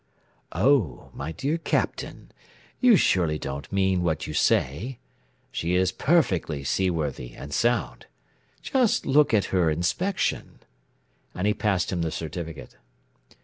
"Oh, my dear Captain, you surely don't mean what you say. She is perfectly seaworthy and sound. Just look at her inspection " and he passed him the certificate.